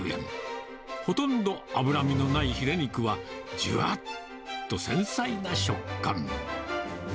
ほとんど脂身のないヒレ肉はじゅわっと繊細な食感。